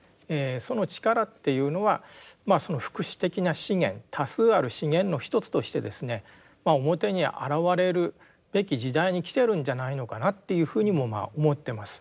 その力っていうのはまあ福祉的な資源多数ある資源の一つとしてですね表に現れるべき時代に来てるんじゃないのかなっていうふうにも思ってます。